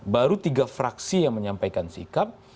baru tiga fraksi yang menyampaikan sikap